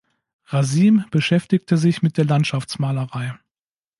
Rasim beschäftigte sich mit der Landschaftsmalerei.